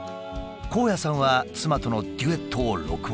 公也さんは妻とのデュエットを録音した。